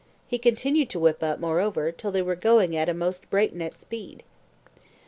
He continued to whip up, moreover, till they were going at a most break neck speed.